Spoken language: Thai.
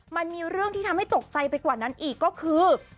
มันมีเรื่องที่ทำให้ตกใจไปกว่านั้นอีกก็คือ